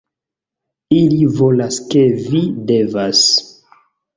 - Ili volas ke vi devas -